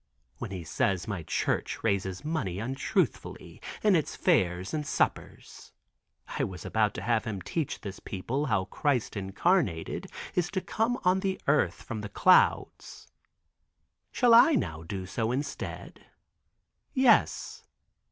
When he says my church raises money untruthfully in its fairs and suppers. I was about to have him teach this people how Christ incarnated is to come on the earth from the clouds. Shall I now do so instead? Yes.